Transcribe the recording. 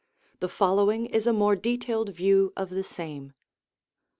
The following is a more de tailed view of the same.